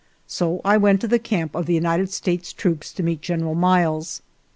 So I went to the camp of the United States troops to meet General Miles.